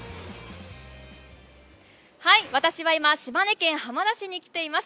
私は今、島根県浜田市に来ています。